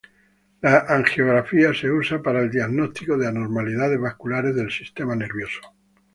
La angiografía se usa para el diagnóstico de anormalidades vasculares del sistema nervioso.